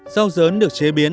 rau dấn được chế biến